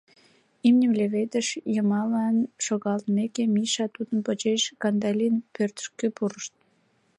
Имньым леведыш йымалан шогалтымек, Миша, тудын почеш Кандалин пӧртышкӧ пурышт.